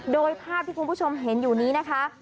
โดยภาพที่คุณผู้ชมเห็นอยู่นี้นะคะ